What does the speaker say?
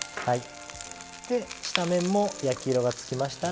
下面も焼き色がつきましたら。